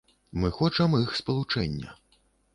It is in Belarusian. Мы хочам іх спалучэння.